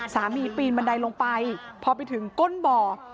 สามีปีนบันไดลงไปพอไปถึงก้นบอร์